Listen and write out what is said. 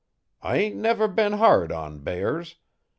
I ain't never been hard on bears.